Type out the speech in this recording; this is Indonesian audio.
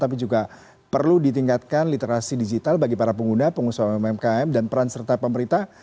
tapi juga perlu ditingkatkan literasi digital bagi para pengguna pengusaha umkm dan peran serta pemerintah